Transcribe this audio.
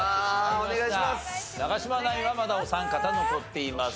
長嶋ナインはまだお三方残っています。